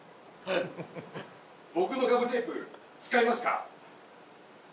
僕のガムテープ使いますか？